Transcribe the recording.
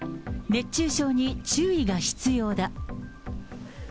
熱中症に注意が必要だ。